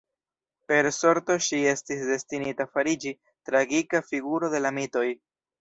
Per Sorto ŝi estis destinita fariĝi tragika figuro de la mitoj.